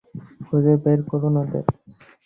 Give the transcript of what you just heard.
খুঁজে বের করুন ওদের!